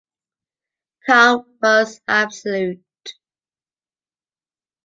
Calm was absolute.